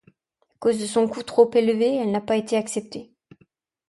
À cause de son coût trop élevé, elle n'a pas été acceptée.